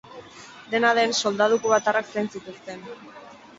Dena den, soldadu kubatarrak zain zituzten.